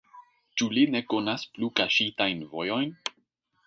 Ĉu li ne konas plu kaŝitajn vojojn?